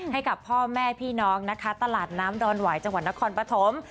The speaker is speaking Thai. ให้กับพ่อแม่พี่น้องนะคะตลาดน้ำดอนหวายจังหวัดนครปฐม